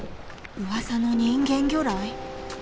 うわさの人間魚雷？